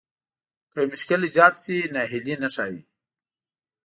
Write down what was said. که يو مشکل ايجاد شي ناهيلي نه ښايي.